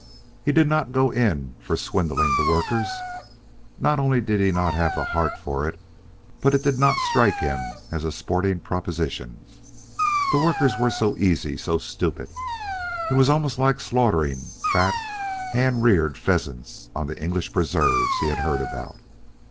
He did not go in for swindling the workers. Not only did he not have the heart for it, but it did not strike him as a sporting proposition. The workers were so easy, so stupid. It was more like slaughtering fat hand reared pheasants on the English preserves he had heard about.